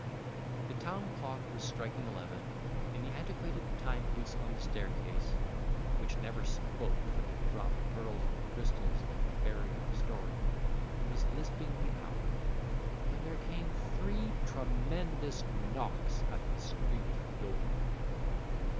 The town clock was striking eleven, and the antiquated timepiece on the staircase (which never spoke but it dropped pearls and crystals, like the fairy in the story) was lisping the hour, when there came three tremendous knocks at the street door.